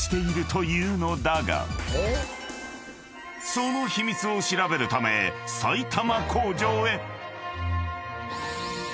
［その秘密を調べるため埼玉工場へ］